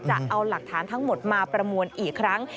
จะเอาหลักฐานทั้งหมดมาประมวลอีกครั้ง